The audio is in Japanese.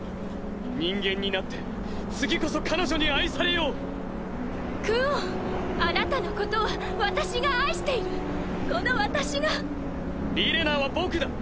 人間になって次こそ彼女に愛されようクオンあなたのことは私が愛しているリレナは僕だ。